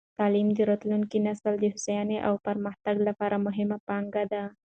تعلیم د راتلونکې نسل د هوساینې او پرمختګ لپاره مهمه پانګه ده.